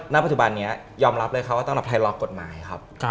ณปัจจุบันนี้ยอมรับเลยค่ะว่าสำหรับไทยล็อกกฎหมายครับ